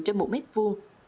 trên một mét vuông